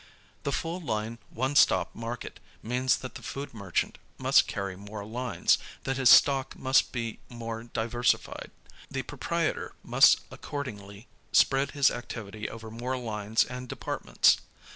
The full line, one stop market means that the food merchant must carry more lines, that his stock must be more diversified. The proprietor must accord ingly spread his activity over more lines and departments.